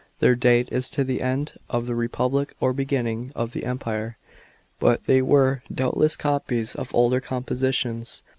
Their date is the end of the Republic or beginning of the Empire ; but they were, doubtless, copies of older compositions.